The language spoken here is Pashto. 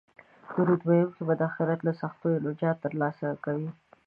درود ویونکی به د اخرت له سختیو نجات ترلاسه کوي